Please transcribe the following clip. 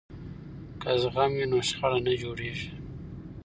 که زغم وي نو شخړه نه جوړیږي.